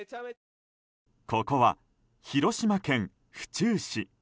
ここは広島県府中市。